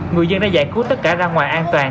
người dân đã giải cứu tất cả ra ngoài an toàn